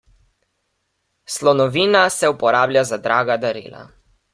Slonovina se uporablja za draga darila.